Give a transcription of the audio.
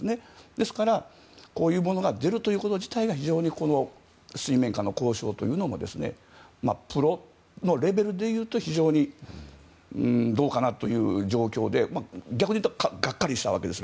ですから、こういうものが出るということ自体が非常に水面下の交渉というのもプロのレベルでいうと非常にどうかなという状況で、逆に言うとがっかりしたわけです。